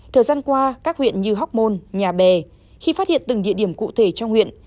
thời gian qua các huyện như hóc môn nhà bè khi phát hiện từng địa điểm cụ thể trong huyện